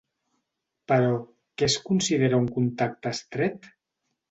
Però, què es considera un contacte estret?